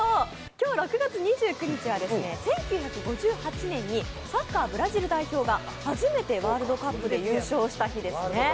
今日６月２９日は１９５８年にサッカーブラジル代表が初めてワールドカップを優勝した日ですね。